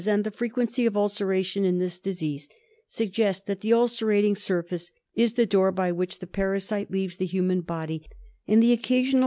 and the frequency of ulceration in this disease, suggest that the ulcerating surface is the door by which the parasite leaves the human body; and the occasional